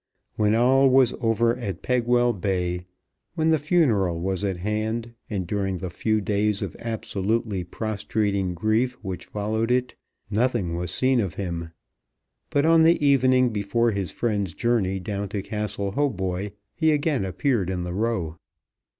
When all was over at Pegwell Bay, when the funeral was at hand, and during the few days of absolutely prostrating grief which followed it, nothing was seen of him; but on the evening before his friend's journey down to Castle Hautboy he again appeared in the Row.